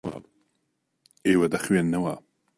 ئێوە دەخوێننەوە.